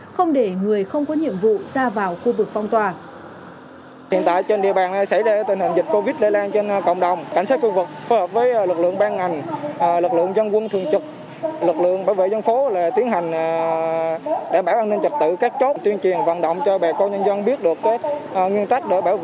không để người không có nhiệm vụ ra vào khu vực phong tỏa